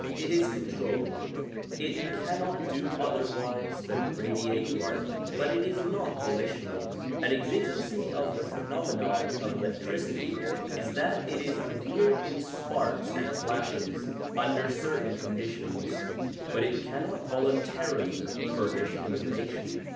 It is controlled; it cannot do otherwise than radiate light ; but it is not volitional. An exigency of the phenomenon of electricity is that it is revealed in sparks and flashes under certain conditions, but it cannot voluntarily fur nish illumination.